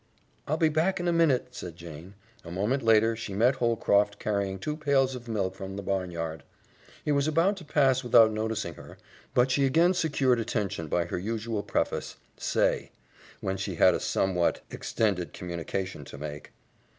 "I'll be back in a minute," said Jane. A moment later she met Holcroft carrying two pails of milk from the barnyard. He was about to pass without noticing her, but she again secured attention by her usual preface, "Say," when she had a somewhat extended communication to make.